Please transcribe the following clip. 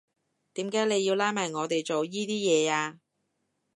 點解你要拉埋我哋做依啲嘢呀？